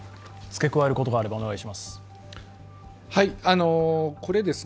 付け加えることがあればお願いします。